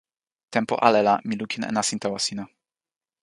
tenpo ale la mi lukin e nasin tawa sina.